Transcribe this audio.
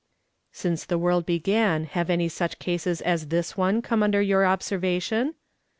" Since the world began have many such cases as this one come under your observation?"